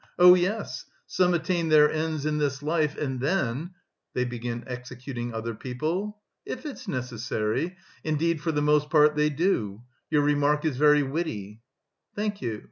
Oh, yes, some attain their ends in this life, and then..." "They begin executing other people?" "If it's necessary; indeed, for the most part they do. Your remark is very witty." "Thank you.